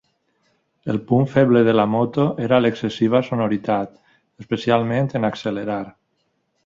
El punt feble de la moto era l'excessiva sonoritat, especialment en accelerar.